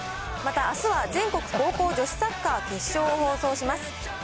またあすは全国高校女子サッカー決勝を放送します。